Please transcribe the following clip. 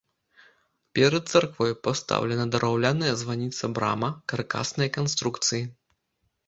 Перад царквой пастаўлена драўляная званіца-брама каркаснай канструкцыі.